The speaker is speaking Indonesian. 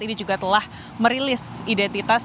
ini juga telah merilis identitas